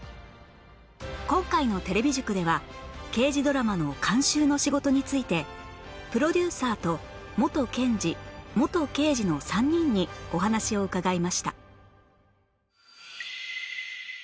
今回のテレビ塾では刑事ドラマの監修の仕事についてプロデューサーと元検事元刑事の３人にお話を伺いました